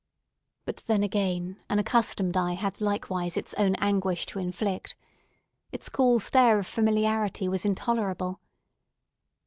But then, again, an accustomed eye had likewise its own anguish to inflict. Its cool stare of familiarity was intolerable.